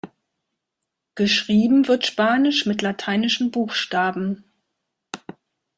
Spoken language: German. Geschrieben wird Spanisch mit lateinischen Buchstaben.